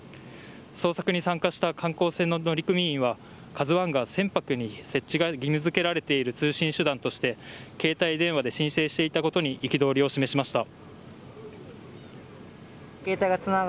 捜索に参加した観光船の乗組員は「ＫＡＺＵ１」が船舶に設置が義務付けられている通信手段として携帯電話で申請していたことに憤りを示しました。